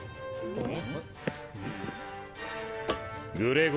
うん。